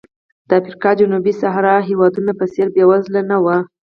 د افریقا جنوبي صحرا هېوادونو په څېر بېوزله نه و.